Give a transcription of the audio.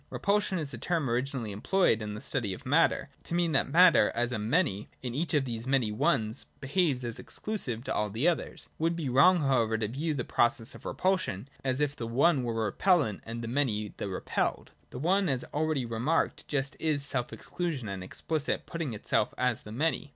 Repulsion is a term originally employed in the study of matter, to mean that matter, as a Many, in each of these many Ones, behaves as exclusive to all the others. It would be wrong however to view the pro cess of repulsion, as if the One were the repellent and the Many the repelled. The One, as already remarked, just is self exclusion and explicit putting itself as the Many.